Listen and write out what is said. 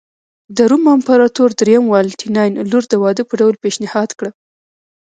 د روم امپراتور درېیم والنټیناین لور د واده په ډول پېشنهاد کړه